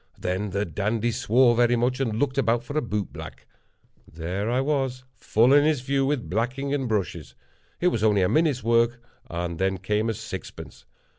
Then the dandy swore very much, and looked about for a boot black. There I was, full in his view, with blacking and brushes. It was only a minute's work, and then came a sixpence.